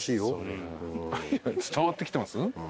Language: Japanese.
伝わってきてます？